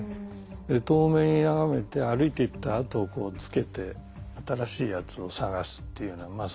遠目に眺めて歩いていったあとをつけて新しいやつを探すっていうようなまあ